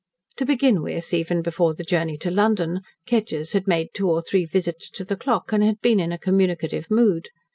To begin with, even before the journey to London, Kedgers had made two or three visits to The Clock, and had been in a communicative mood.